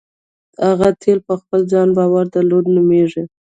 هغه تیل په خپل ځان باور درلودل نومېږي.